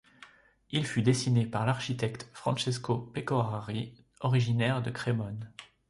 Il fut dessiné par l'architecte Francesco Pecorari, originaire de Crémone.